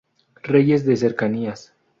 Reyes de cercanías.